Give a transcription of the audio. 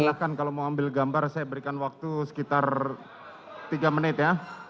silahkan kalau mau ambil gambar saya berikan waktu sekitar tiga menit ya